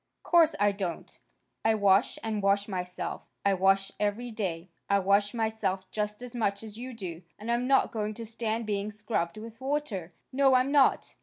"Course I don't. I wash and wash myself. I wash every day. I wash myself just as much as you do. And I'm not going to stand being scrubbed with water. No, I'm not."